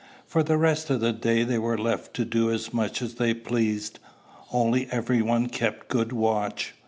For the rest of the day they were left to do much as they pleased; only every one kept good watch.